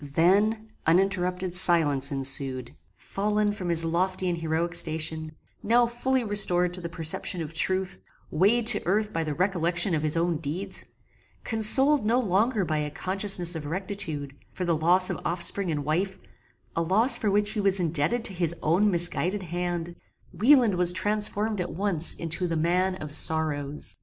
Then uninterrupted silence ensued. Fallen from his lofty and heroic station; now finally restored to the perception of truth; weighed to earth by the recollection of his own deeds; consoled no longer by a consciousness of rectitude, for the loss of offspring and wife a loss for which he was indebted to his own misguided hand; Wieland was transformed at once into the man OF SORROWS!